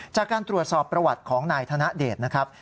จากการตรวจสอบประวัติของนายธนเดชนะครับ